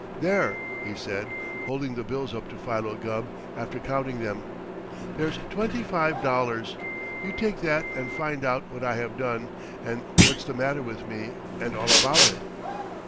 "There!" he said, holding the bills up to Philo Gubb after counting them. "There's twenty five dollars. You take that and find out what I have done, and what's the matter with me, and all about it."